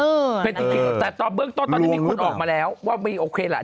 เออเป็นจริงแต่ตอนเบื้องต้นตอนนี้มีคนออกมาแล้วว่าโอเคหรือเปล่า